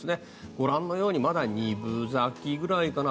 ご覧のようにまだ二分咲きぐらいかな。